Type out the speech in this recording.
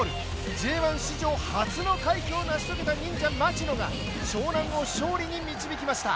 Ｊ１史上初の快挙を成し遂げた忍者・町野が湘南を勝利に導きました。